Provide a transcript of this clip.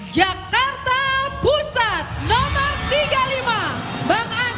jakarta pusat nomor tiga puluh lima bang andika pratama